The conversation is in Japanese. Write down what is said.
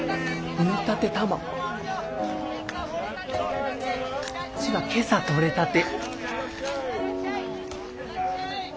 こっちが今朝取れたて。